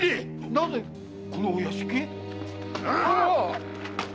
なぜこのお屋敷へ？